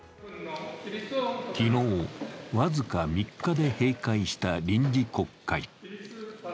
昨日、僅か３日で閉会した臨時国会。